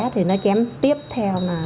thì nó chém tiếp theo